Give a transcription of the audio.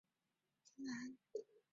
香青兰为唇形科青兰属下的一个种。